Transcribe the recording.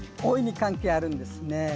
大いに関係あるんですね。